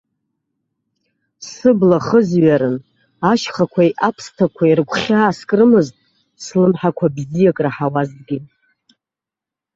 Сыбла хызҩарын, ашьхақәеи аԥсҭақәеи рыгәхьаа скрымызт, слымҳақәа бзиак раҳауазҭгьы.